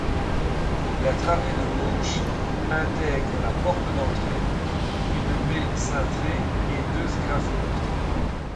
La travée de gauche intègre la porte d'entrée, une baie cintrée et deux sgraffites.